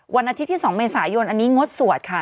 วันอาทิตย์ที่๒เมษายนอันนี้งดสวดค่ะ